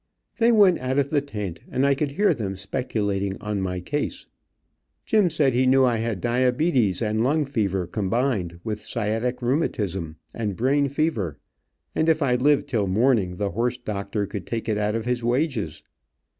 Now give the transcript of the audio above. They went out of the tent and I could hear them speculating on my case. Jim said he knew I had diabetis, and lung fever combined, with sciatic rheumatism, and brain fever, and if I lived till morning the horse doctor could take it out of his wages.